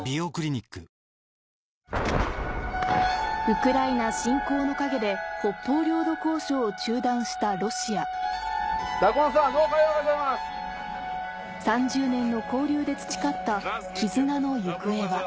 ウクライナ侵攻の陰で北方領土交渉を中断したロシア・おはようございます・３０年の交流で培った絆の行方は